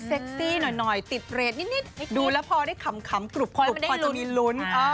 ซี่หน่อยติดเรทนิดดูแล้วพอได้ขำกรุบพอจะมีลุ้น